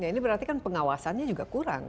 ini berarti kan pengawasannya juga kurang